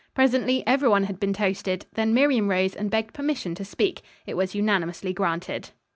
Presently every one had been toasted, then Miriam rose and begged permission to speak. It was unanimously granted.